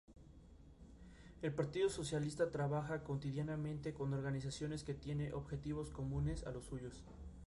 El Partido Socialista trabaja cotidianamente con organizaciones que tiene objetivos comunes a los suyos.